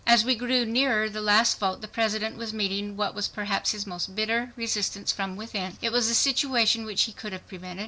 As we grew nearer the last vote the President was meeting what was perhaps his most bitter resistance from within. It was a situation which he could have prevented.